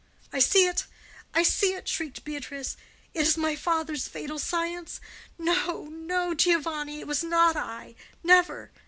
"I see it! I see it!" shrieked Beatrice. "It is my father's fatal science! No, no, Giovanni; it was not I! Never!